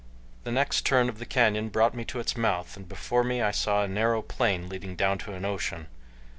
The next turn of the canyon brought me to its mouth, and before me I saw a narrow plain leading down to an ocean.